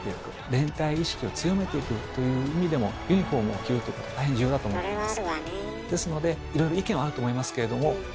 連帯意識を強めていくという意味でもユニフォームを着るということは大変重要だと思ってます。